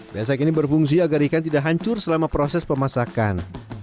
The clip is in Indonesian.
besek ini berfungsi agar ikan tidak hancur selama proses pemasakan